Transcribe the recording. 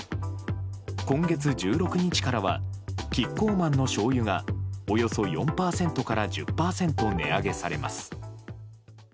今月１６日からはキッコーマンのしょうゆがおよそ４％から１０％値上げされます。